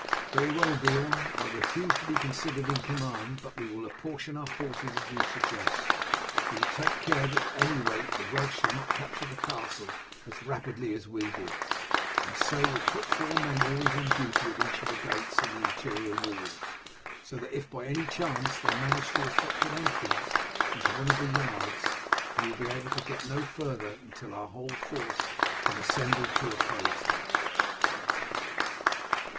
"Very well, Beorn. I refuse to be considered in command, but we will apportion our forces as you suggest. We will take care that at any rate the Welsh shall not capture the castle as rapidly as we did, and so will put four men always on duty at each of the gates in the interior walls, so that if by any chance they manage to effect an entrance into one of the yards they will be able to get no farther until our whole force can assemble to oppose them."